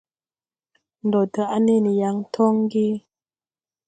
Ndo daʼ nen yaŋ toŋ ge ?